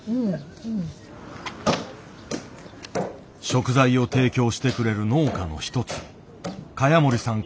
食材を提供してくれる農家の一つ萱森さん